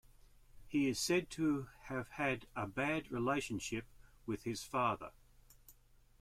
He is said to have had a bad relationship with his father.